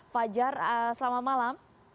fajar selamat malam